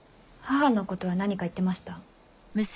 母のことは何か言ってました？